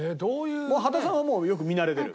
羽田さんはよく見慣れてる？